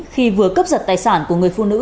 khi vừa cướp giật tài sản của người phụ nữ